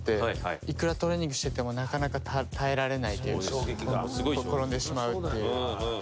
いくらトレーニングしててもなかなか耐えられないというか転んでしまうっていう。